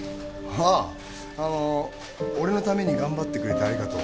ああ「俺のためにがんばってくれてありがとう」